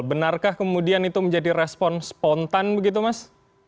benarkah kemudian itu menjadi respon spontan begitu mas